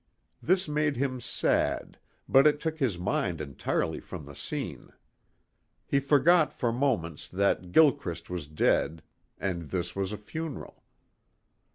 This made him sad but it took his mind entirely from the scene. He forgot for moments that Gilchrist was dead and this was a funeral.